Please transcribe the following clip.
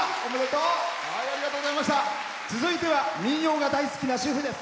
続いては民謡が大好きな主婦です。